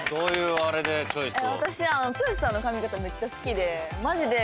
私は剛さんの髪形めっちゃ好きで。